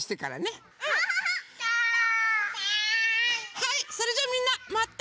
はいそれじゃみんなまったね！